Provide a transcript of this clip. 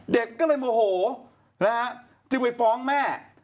เด็กก็เลยโมโหนะฮะจึงไปฟ้องแม่